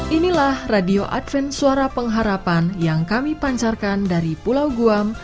inilah radio advan suara pengharapan yang kami pancarkan dari pulau guam